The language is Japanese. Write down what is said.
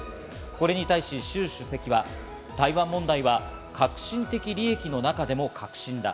これに対しシュウ主席は、台湾問題は核心的利益の中での核心だ。